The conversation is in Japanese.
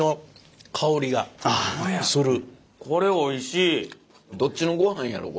これおいしい。